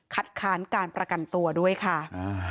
ค้านการประกันตัวด้วยค่ะอ่า